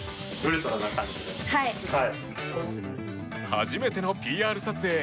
初めてのＰＲ撮影。